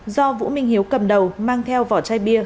do vũ minh hiếu cầm đầu mang theo vỏ chai bia